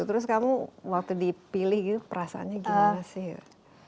terus kamu waktu dipilih gitu perasaannya gimana sih